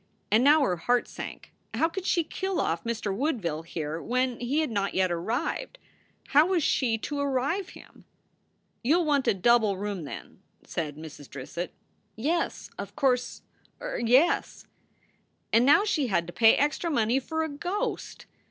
And now her heart sank. How could she kill off Mr. Woodville here when he had not yet arrived? How was she to arrive him? "You ll want a double room, then," said Mrs. Drissett. "Yes, of course er yes." And now she had to pay extra money for a ghost